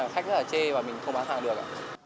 khách rất là chê và mình không bán hàng được ạ